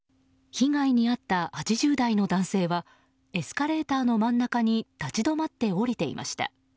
被害に遭った８０代の男性はエスカレーターの真ん中に立ち止まって下りていました。